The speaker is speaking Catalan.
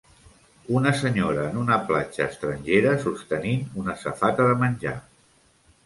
Una senyora en una platja estrangera sostenint una safata de menjar